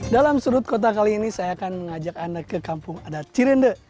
dalam sudut kota kali ini saya akan mengajak anda ke kampung adat cirende